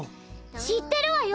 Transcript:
知ってるわよ。